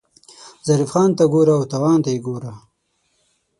ظریف خان ته ګوره او تاوان ته یې ګوره.